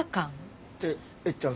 ってえっちゃん